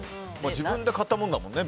自分で買ったものだもんね。